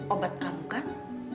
obat kamu kan